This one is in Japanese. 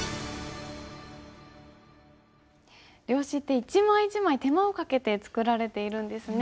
料紙って一枚一枚手間をかけて作られているんですね。